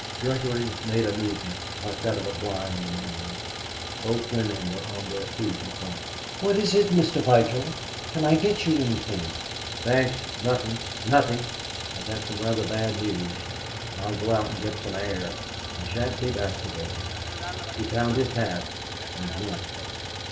Gregory made a movement like that of a blind man. Both women were on their feet at once. "What is it, Mr. Vigil? Can I get you anything?" "Thanks; nothing, nothing. I've had some rather bad news. I'll go out and get some air. I shan't be back to day." He found his hat and went.